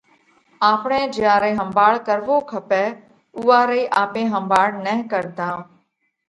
آپڻئہ جيا رئي ۿمڀاۯ ڪروو کپئہ اُوئا رئي آپي ۿمڀاۯ نھ ڪرتا۔